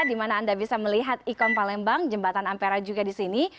di mana anda bisa melihat ikon palembang jembatan ampera juga di sini